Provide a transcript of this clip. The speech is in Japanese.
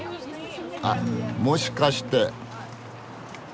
あもしかして。